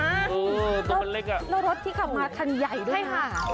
โอ้โหตัวมันเล็กอะแล้วรถที่ขับมาทันใหญ่ด้วยนะให้หา